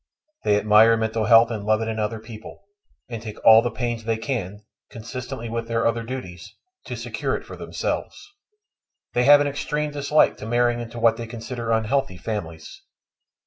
They admire mental health and love it in other people, and take all the pains they can (consistently with their other duties) to secure it for themselves. They have an extreme dislike to marrying into what they consider unhealthy families.